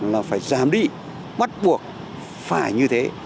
mà phải giảm đi bắt buộc phải như thế